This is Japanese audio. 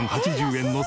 ８０円！？